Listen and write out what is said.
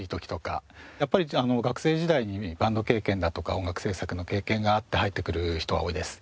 やっぱり学生時代にバンド経験だとか音楽制作の経験があって入ってくる人は多いです。